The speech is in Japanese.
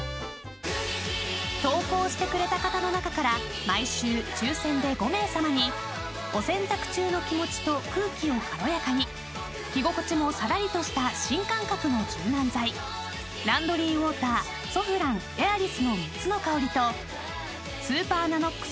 ［投稿してくれた方の中から毎週抽選で５名さまにお洗濯中の気持ちと空気を軽やかに着心地もさらりとした新感覚の柔軟剤ランドリーウォーターソフランＡｉｒｉｓの３つの香りとスーパーＮＡＮＯＸ